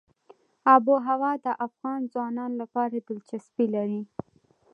آب وهوا د افغان ځوانانو لپاره دلچسپي لري.